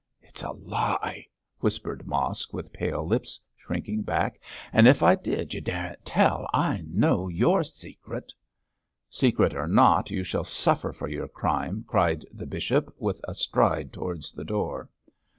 'It's a lie,' whispered Mosk, with pale lips, shrinking back, 'an' if I did, you daren't tell. I know your secret.' 'Secret or not, you shall suffer for your crime,' cried the bishop, with a stride towards the door.